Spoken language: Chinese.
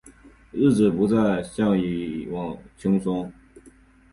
日子不再像以往轻松